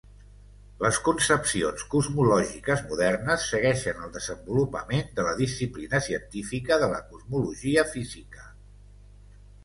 Les concepcions cosmològiques modernes segueixen el desenvolupament de la disciplina científica de la cosmologia física.